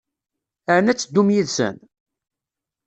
Ɛni ad teddum yid-sen?